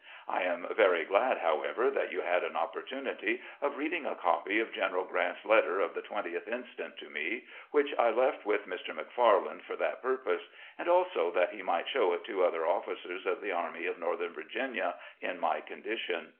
I am very glad, however, that you had an opportunity of reading a copy of General Grant's letter of the 20th inst. to me, which I left with Mr. Macfarland for that purpose, and also that he might show it to other officers of the Army of Northern Virginia in my condition.